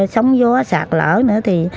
sóng gió sạt lở nữa